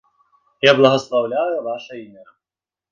Я благаслаўляю ваша імя.